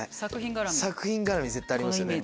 作品絡み絶対ありますよね。